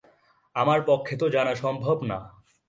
আমার পক্ষে তো জানা সম্ভব না।